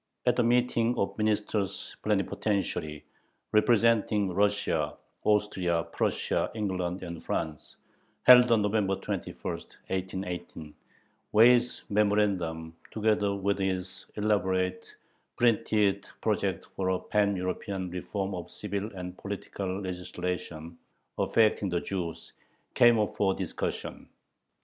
At a meeting of Ministers Plenipotentiary, representing Russia, Austria, Prussia, England, and France, held on November 21, 1818, Way's memorandum, together with his elaborate, printed project for a pan European "reform of the civil and political legislation" affecting the Jews, came up for discussion.